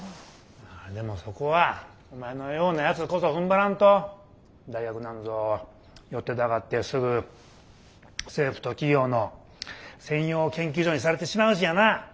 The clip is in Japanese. まあでもそこはお前のようなやつこそふんばらんと大学なんぞ寄ってたかってすぐ政府と企業の専用研究所にされてしまうしやな。